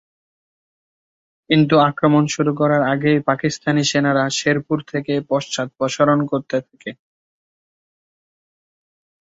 কিন্তু আক্রমণ শুরু করার আগেই পাকিস্তানি সেনারা শেরপুর থেকে পশ্চাদপসরণ করতে থাকে।